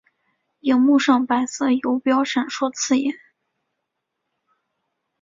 萤幕上白色游标闪烁刺眼